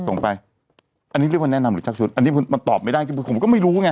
ส่งไปอันนี้เรียกว่าแนะนำหรือชักชุดอันนี้มันตอบไม่ได้คือผมก็ไม่รู้ไง